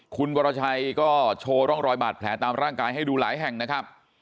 คุณวรชัยก็โชว์ร่องรอยบาดแผลตามร่างกายให้ดูหลายแห่งนะครับ